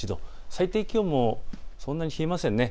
最低気温もそんなに冷えません。